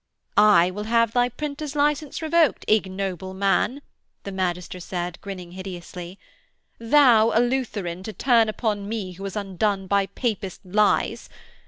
'I will have thy printer's licence revoked, ignoble man,' the magister said, grinning hideously. 'Thou, a Lutheran, to turn upon me who was undone by Papist lies!